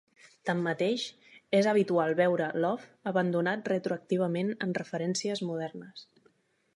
Tanmateix, és habitual veure l'"of" abandonat retroactivament en referències modernes.